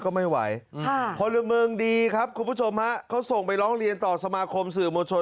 ก็ไม่ไหวพลเมืองดีครับคุณผู้ชมฮะเขาส่งไปร้องเรียนต่อสมาคมสื่อมวลชน